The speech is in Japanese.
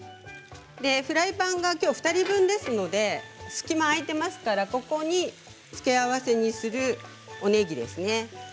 フライパンが今日２人分ですので隙間が空いていますからここに付け合わせにするおねぎですね